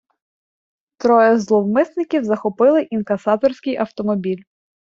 Троє зловмисників захопили інкасаторський автомобіль.